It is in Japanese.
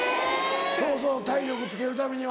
そうそう体力つけるためには。